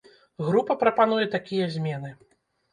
Група прапануе такія змены.